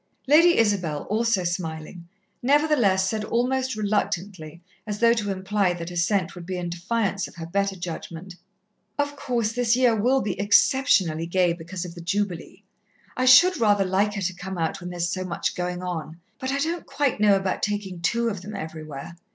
Lady Isabel, also smiling, nevertheless said almost reluctantly, as though to imply that assent would be in defiance of her better judgment: "Of course, this year will be exceptionally gay because of the Jubilee. I should rather like her to come out when there is so much going on, but I don't quite know about taking two of them everywhere."